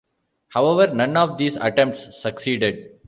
However, none of these attempts succeeded.